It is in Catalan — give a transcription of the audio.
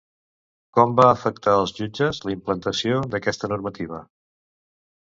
Com va afectar els jutges la implantació d'aquesta normativa?